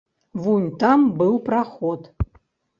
Вунь там быў праход.